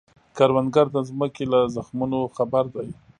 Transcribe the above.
کروندګر د ځمکې له زخمونو خبر دی